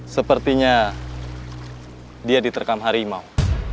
sepertinya dia diterkam harimau